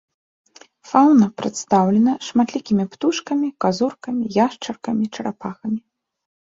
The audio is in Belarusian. Фаўна прадстаўлена шматлікімі птушкамі, казуркамі, яшчаркамі, чарапахамі.